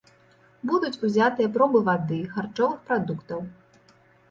Будуць узятыя пробы вады, харчовых прадуктаў.